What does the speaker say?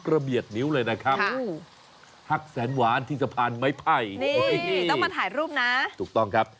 เบียดนิ้วเลยนะครับหักแสนหวานที่สะพานไม้ไผ่นี่ต้องมาถ่ายรูปนะถูกต้องครับ